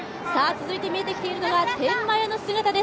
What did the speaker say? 続いて見えてきているのが天満屋の姿で。